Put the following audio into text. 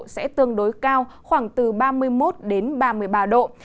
sẽ tương đối cao khoảng từ ba mươi một đến ba mươi ba độ